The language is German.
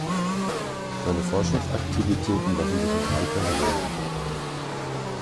Seine Forschungsaktivitäten lassen sich in drei Perioden unterteilen.